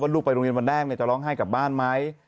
ลูกไปโรงเรียนวันแรกจะร้องไห้กลับบ้านไหม